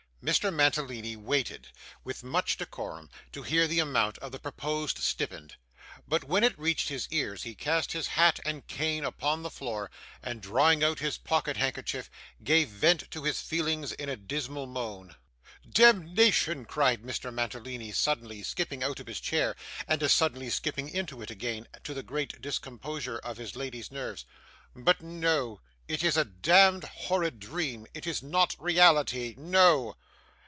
Mr. Mantalini waited, with much decorum, to hear the amount of the proposed stipend, but when it reached his ears, he cast his hat and cane upon the floor, and drawing out his pocket handkerchief, gave vent to his feelings in a dismal moan. 'Demnition!' cried Mr. Mantalini, suddenly skipping out of his chair, and as suddenly skipping into it again, to the great discomposure of his lady's nerves. 'But no. It is a demd horrid dream. It is not reality. No!